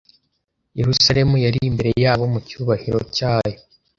Yerusalemu yari imbere yabo mu cyubahiro cyayo